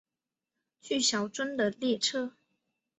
去小樽的列车